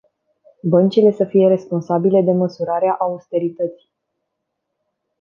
Băncile să fie responsabile de măsurarea austerității!